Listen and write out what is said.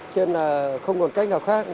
cho nên là không còn cách nào khác